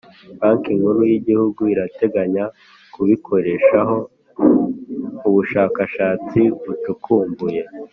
banki nkuru y'igihugu irateganya kubikoreshaho ubushakashatsi bucukumbuye.